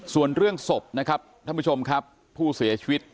ส่วนเรื่องศพนะครับถ้าว่าผู้เสียชีวิต